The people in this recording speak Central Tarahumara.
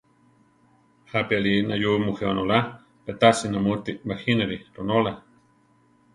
¿Jápi alí nayúi mujé onóla, pe tasi namuti bajínari ronóla?